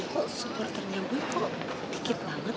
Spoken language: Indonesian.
kok supporternya gue kok dikit banget